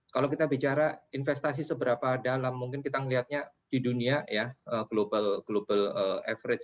kalau kita bicara investasi seberapa dalam mungkin kita melihatnya di dunia ya global global average